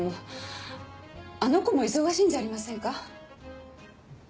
あの子も忙しいんじゃありませんか？